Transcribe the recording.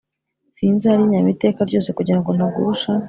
sinzarya inyama iteka ryose kugira ngo ntagusha